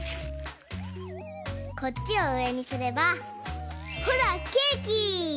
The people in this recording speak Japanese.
こっちをうえにすればほらケーキ！